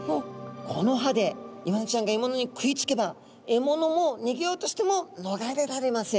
この歯でイワナちゃんがえものに食いつけばえものもにげようとしてものがれられません。